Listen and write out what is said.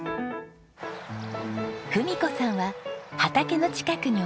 郁子さんは畑の近くにお住まいです。